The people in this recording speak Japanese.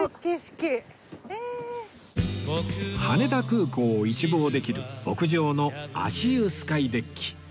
羽田空港を一望できる屋上の足湯スカイデッキ